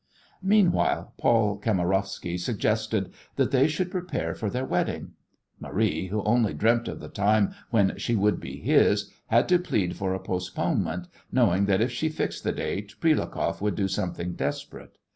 Meanwhile, Paul Kamarowsky suggested that they should prepare for their wedding. Marie, who only dreamt of the time when she would be his, had to plead for a postponement, knowing that if she fixed the date Prilukoff would do something desperate.